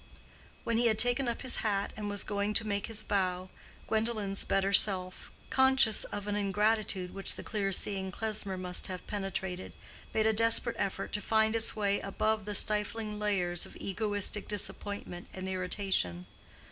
When he had taken up his hat and was going to make his bow, Gwendolen's better self, conscious of an ingratitude which the clear seeing Klesmer must have penetrated, made a desperate effort to find its way above the stifling layers of egoistic disappointment and irritation.